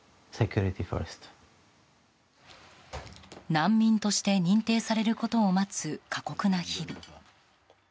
難民として認定されることを待つ過酷な日々。